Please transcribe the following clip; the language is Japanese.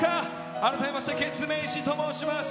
改めましてケツメイシと申します。